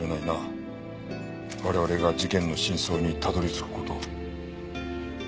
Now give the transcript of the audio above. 我々が事件の真相にたどり着く事を。